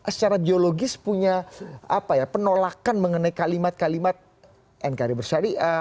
secara geologis punya penolakan mengenai kalimat kalimat nkri bersyariah